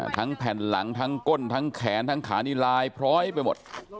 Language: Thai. แผ่นหลังทั้งก้นทั้งแขนทั้งขานี่ลายพร้อยไปหมด